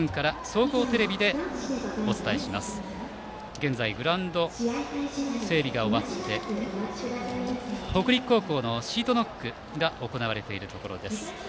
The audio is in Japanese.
現在、グラウンド整備が終わり北陸高校のシートノックが行われているところです。